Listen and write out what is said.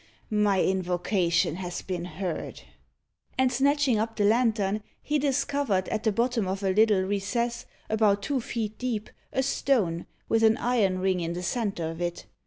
"Ha! my invocation has been heard!" And, snatching up the lantern, he discovered, at the bottom of a little recess, about two feet deep, a stone, with an iron ring in the centre of it.